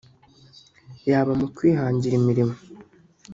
yaba mu kwihangira imirimo